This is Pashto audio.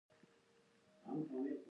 د یادې پروژې مدیر انجنیر محمد شریف